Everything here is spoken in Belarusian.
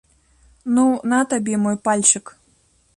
Ну, на табе мой пальчык.